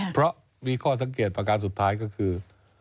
เพราะมีข้อสังเกตประการสุดท้ายก็คือ